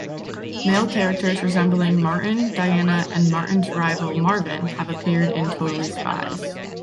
Male characters resembling Martin, Diana, and Martin's rival Marvin have appeared in Totally Spies!